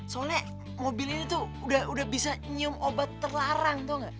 soalnya mobil ini tuh udah bisa nyium obat terlarang tuh nggak